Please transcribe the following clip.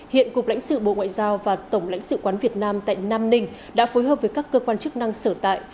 hiện cục lãnh sự bộ ngoại giao và tổng lãnh sự quán việt nam tại nam ninh đã phối hợp với các cơ quan chức năng sở tại